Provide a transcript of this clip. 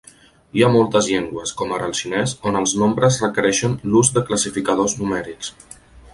Hi ha moltes llengües, com ara el xinès, on els nombres requereixen l'ús de classificadors numèrics.